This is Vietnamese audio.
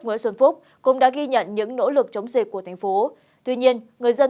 nguyễn xuân phúc cũng đã ghi nhận những nỗ lực chống dịch của thành phố tuy nhiên người dân